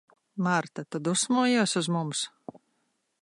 Marta, tu dusmojies uz mums?